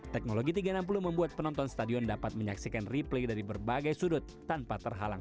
teknologi tiga ratus enam puluh membuat penonton stadion dapat menyaksikan replay dari berbagai sudut tanpa terhalang